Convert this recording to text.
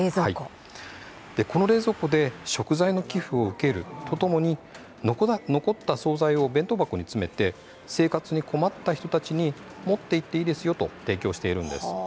この冷蔵庫で食材の寄付を受けるとともに残った総菜を弁当箱に詰めて生活に困った人たちに持って行っていいですよと提供しているんです。